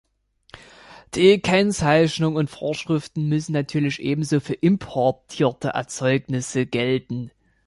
Die Kennzeichnung und Vorschriften müssen natürlich ebenso für importierte Erzeugnisse gelten.